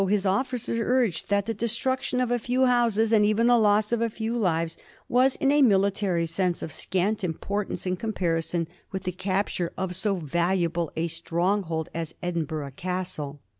217 bis officers nrged that the destruction of a few houses, and even the loss of a few lives, was in a military sense of scant importance in comparison with the capture of so valuable a stronghold as Edinburgb Castle.